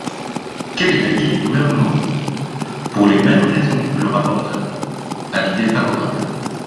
Quel est l’avis du Gouvernement ? Pour les mêmes raisons que le rapporteur, avis défavorable.